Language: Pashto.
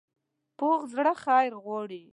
پوخ زړه خیر غواړي